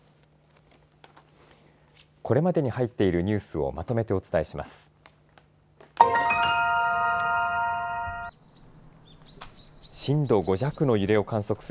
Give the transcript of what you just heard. これまでに入っているニュースをまとめてお伝えします。